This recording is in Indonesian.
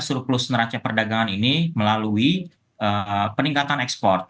surplus neraca perdagangan ini melalui peningkatan ekspor